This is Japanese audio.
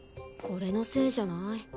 これのせいじゃない？